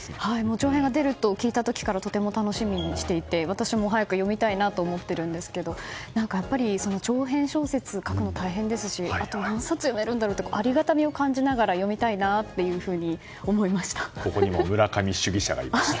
長編が出ると聞いた時からとても楽しみにしていて私も早く読みたいなと思っているんですが長編小説を書くの大変ですしあと何冊読めるんだろうとありがたみを感じながら読みたいなというふうにここにも村上主義者がいました。